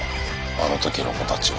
あの時の子たちは。